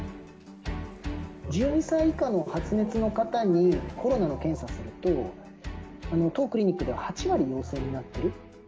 １２歳以下の発熱の方に、コロナの検査すると、当クリニックでは８割陽性になっている。